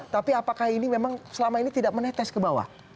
tapi apakah ini memang selama ini tidak menetes ke bawah